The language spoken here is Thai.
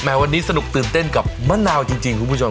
วันนี้สนุกตื่นเต้นกับมะนาวจริงคุณผู้ชม